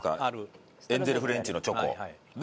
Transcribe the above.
エンゼルフレンチのチョコ。で